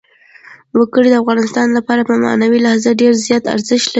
وګړي د افغانانو لپاره په معنوي لحاظ ډېر زیات ارزښت لري.